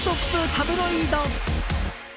タブロイド。